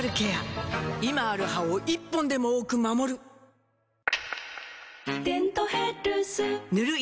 今ある歯を１本でも多く守る「デントヘルス」塗る医薬品も